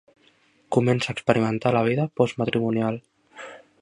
Comença a experimentar la vida postmatrimonial.